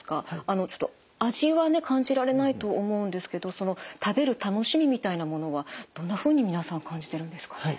ちょっと味は感じられないと思うんですけど食べる楽しみみたいなものはどんなふうに皆さん感じてるんですか？